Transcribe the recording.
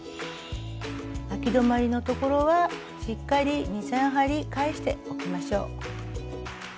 あき止まりの所はしっかり２３針返しておきましょう。